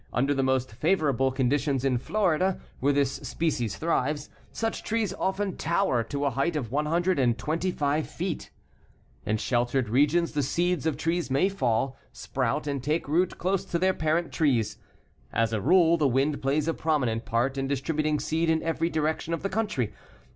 Under the most favorable conditions in Florida, where this species thrives, such trees often tower to a height of 125 feet. In sheltered regions the seeds of trees may fall, sprout and take root close to their parent trees. As a rule, the wind plays a prominent part in distributing seed in every section of the country.